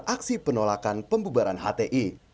aksi penolakan pembulbaran hti